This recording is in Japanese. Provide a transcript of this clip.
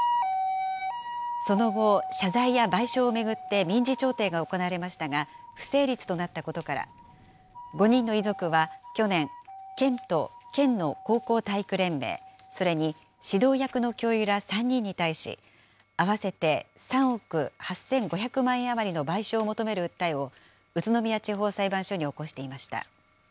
その後、謝罪や賠償を巡って民事調停が行われましたが、不成立となったことから、５人の遺族は去年、県と県の高校体育連盟、それに指導役の教諭ら３人に対し、合わせて３億８５００万円余りの賠償を求める訴えを、宇都宮地方裁判所に起こしていました。